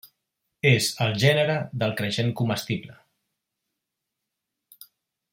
És el gènere del creixen comestible.